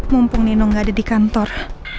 mumpung nino nggak ada di kantor